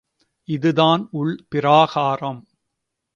இதுதான் உள் பிராகாரம்.